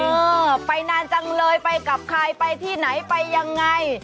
เออไปนานจังเลยไปกับใครไปที่ไหนไปยังไง